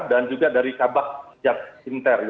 dan juga dari kabak pijat inter